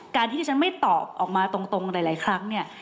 การที่ที่ฉันไม่ตอบออกมาตรงหลายครั้งเนี่ย